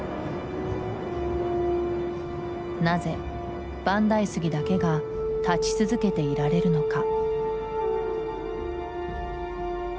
なぜ万代杉だけが立ち続けていられるのか？